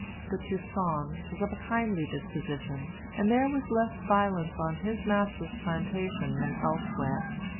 But Toussaint was of a kindly disposition, and there was less violence on his master's plantation than elsewhere.